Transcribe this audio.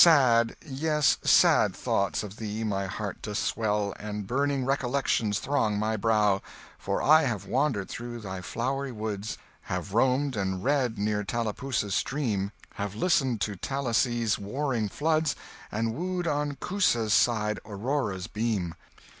Sad, yes, sad thoughts of thee my heart doth swell, And burning recollections throng my brow! For I have wandered through thy flowery woods; Have roamed and read near Tallapoosa's stream; Have listened to Tallassee's warring floods, And wooed on Coosa's side Aurora's beam.